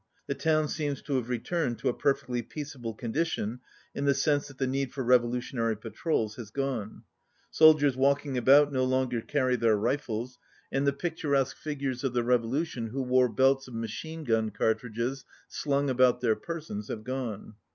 The town seems to have returned to a perfectly peaceable condition in the sense that the need for revolu tionary patrols has gone. Soldiers walking about no longer carry their rifles, and the picturesque 14 figures of the revolution who wore belts of ma chine gun cartridges slung about their persons have gone.